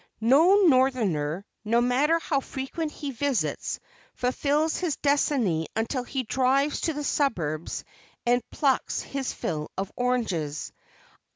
No Northerner no matter how frequent his visits fulfills his destiny until he drives to the suburbs and plucks his fill of oranges.